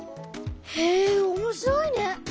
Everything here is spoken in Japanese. へえおもしろいね。